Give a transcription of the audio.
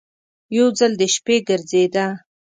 یو ځل د شپې ګرځېده.